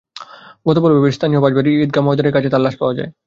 গতকাল ভোরে স্থানীয় বাঁশবাড়িয়া ঈদগাহ ময়দানের কাছে তাঁর লাশ পাওয়া যায়।